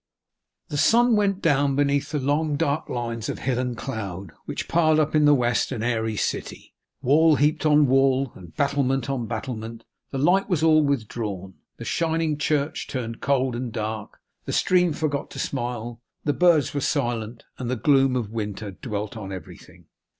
The sun went down beneath the long dark lines of hill and cloud which piled up in the west an airy city, wall heaped on wall, and battlement on battlement; the light was all withdrawn; the shining church turned cold and dark; the stream forgot to smile; the birds were silent; and the gloom of winter dwelt on everything.